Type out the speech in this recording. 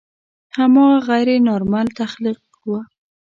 هماغه غیر نارمل تخلیق و.